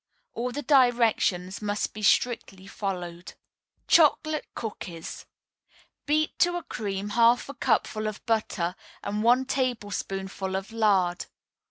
All the directions must be strictly followed. CHOCOLATE COOKIES Beat to a cream half a cupful of butter and one tablespoonful of lard.